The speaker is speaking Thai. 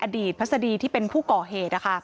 อดีตพัศดีที่เป็นผู้ก่อเหตุ